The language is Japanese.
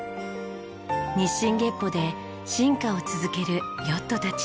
日進月歩で進化を続けるヨットたち。